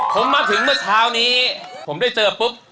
ผมมาถึงเมื่อเช้านี้ผมได้เจอปุ๊บ